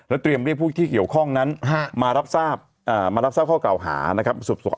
แล้วเตรียมเรียกผู้ที่เกี่ยวข้องนั้นมารับทราบข้อเก่าหานะครับ